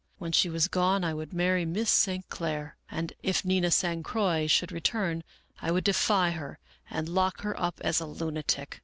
When she was gone I would marry Miss St. Clair, and if Nina San Croix should return I would defy her and lock her up as a lunatic.